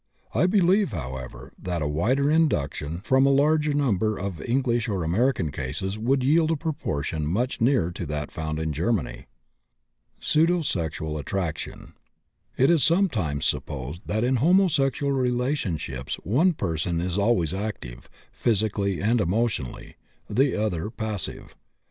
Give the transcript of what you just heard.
I believe, however, that a wider induction from a larger number of English and American cases would yield a proportion much nearer to that found in Germany. PSEUDOSEXUAL ATTRACTION. It is sometimes supposed that in homosexual relationships one person is always active, physically and emotionally, the other passive.